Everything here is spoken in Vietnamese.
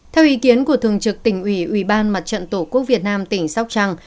theo ý kiến của thường trực tỉnh ủy ủy ban mặt trận tổ quốc việt nam tỉnh sóc trăng